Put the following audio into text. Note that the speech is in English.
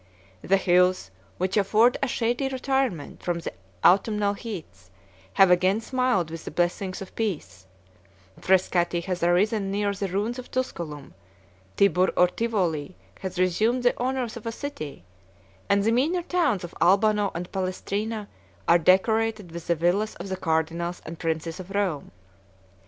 The hills, which afford a shady retirement from the autumnal heats, have again smiled with the blessings of peace; Frescati has arisen near the ruins of Tusculum; Tibur or Tivoli has resumed the honors of a city, 65 and the meaner towns of Albano and Palestrina are decorated with the villas of the cardinals and princes of Rome.